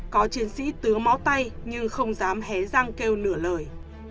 có chiến sĩ tứa mó tay nhưng không dám hé răng kêu nửa lời